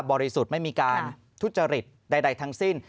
ริสุทธิ์ไม่มีการทุจริตใดทั้งสิ้น